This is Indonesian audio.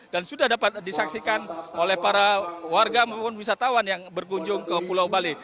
dan sudah dapat disaksikan oleh para warga maupun wisatawan yang berkunjung ke pulau bali